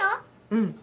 うん。